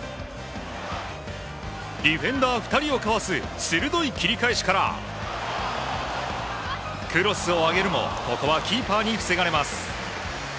ディフェンダー２人をかわす鋭い切り返しから、クロスを上げるも、ここはキーパーに防がれます。